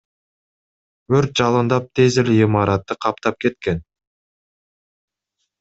Өрт жалындап тез эле имаратты каптап кеткен.